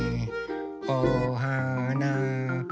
おはな。